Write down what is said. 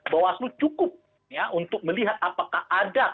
bawaslu cukup untuk melihat apakah ada penyelidikannya